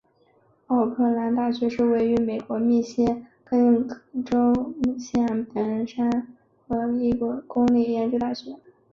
奥克兰大学是位于美国密歇根州奥克兰县奥本山和罗切斯特山的一所公立研究型大学。